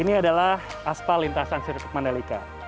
ini adalah aspal lintasan sirkuit mandalika